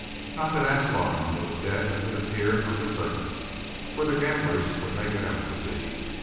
Not that Ascalon was as dead as it appeared on the surface, or the gamblers would make it out to be.